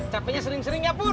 capeknya sering sering ya pur